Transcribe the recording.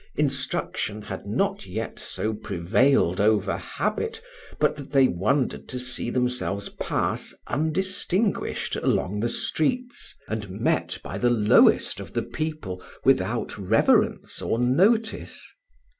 Instruction had not yet so prevailed over habit but that they wondered to see themselves pass undistinguished along the streets, and met by the lowest of the people without reverence or notice.